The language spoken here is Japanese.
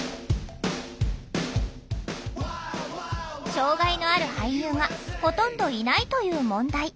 障害のある俳優がほとんどいないという問題。